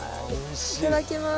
・いただきます。